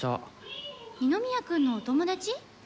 二宮君のお友達？